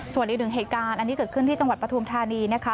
ส่วนอีกหนึ่งเหตุการณ์อันนี้เกิดขึ้นที่จังหวัดปฐุมธานีนะคะ